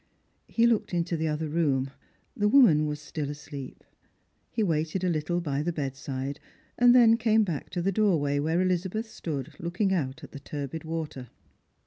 He looked into the other room ; the woman was still asleep. He waited a little by the bed side, and then came back to the doorway where Elizabeth stood looking out at the turbid water.